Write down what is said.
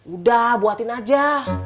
udah buatin aja